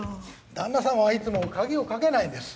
旦那様はいつも鍵を掛けないんです。